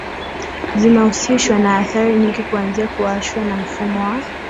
zinahusishwa na athari nyingi kuanzia kuwashwa na mfumo wa